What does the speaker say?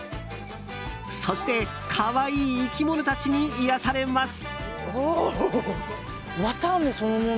そして可愛い生き物たちに癒やされます。